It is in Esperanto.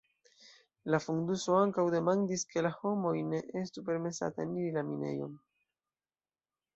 La fonduso ankaŭ demandis ke la homoj ne estu permesata eniri la minejon.